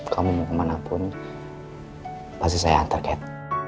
kamu mau kemana pun pasti saya antar cat